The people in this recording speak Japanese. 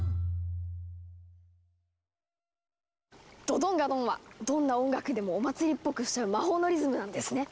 「ドドンガドン」はどんな音楽でもお祭りっぽくしちゃう魔法のリズムなんですね。